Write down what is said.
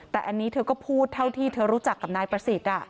แต่อันนี้เธอก็พูดเท่าที่เธอรู้จักกับนายประสิทธิ์